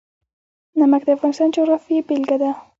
نمک د افغانستان د جغرافیې بېلګه ده.